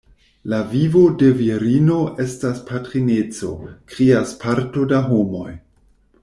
La vivo de virino estas patrineco, krias parto da homoj.